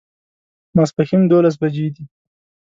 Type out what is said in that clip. ماسپښین دوولس بجې دي